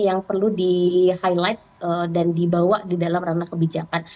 yang perlu di highlight dan dibawa di dalam ranah kebijakan